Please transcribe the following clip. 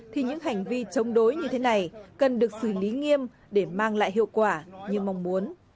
thì những hành vi chống đối như thế này cần được xử lý nghiêm để mang lại hiệu quả như mong muốn